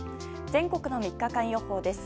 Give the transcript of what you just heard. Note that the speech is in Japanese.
全国の３日間予報です。